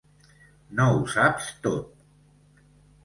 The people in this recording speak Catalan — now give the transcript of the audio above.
No ho saps tot.